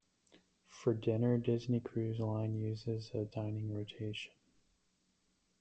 For dinner, Disney Cruise Line uses a dining rotation.